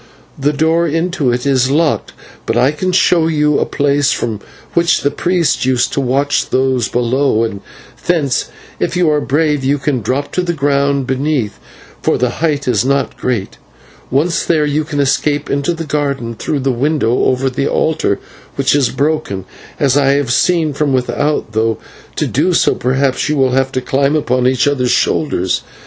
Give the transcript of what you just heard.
The door into it is locked, but I can show you a place from which the priests used to watch those below, and thence, if you are brave, you can drop to the ground beneath, for the height is not great. Once there, you can escape into the garden through the window over the altar, which is broken, as I have seen from without, though to do so, perhaps, you will have to climb upon each other's shoulders.